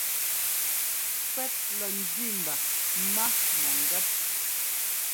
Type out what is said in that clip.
Kuɛt lɔ njẅi mba má mɔ̂ngɛ́p.